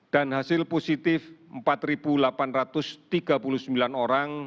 dan hasil positif empat delapan ratus tiga puluh sembilan orang